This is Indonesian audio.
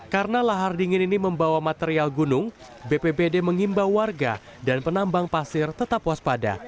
karena lahar dingin ini membawa material gunung bppd mengimbau warga dan penambang pasir tetap waspada